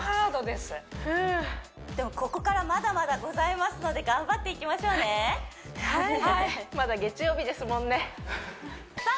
ふうここからまだまだございますので頑張っていきましょうねはいまだ月曜日ですもんねさあ